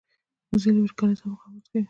وزې له وچکالۍ سره مقاومت کوي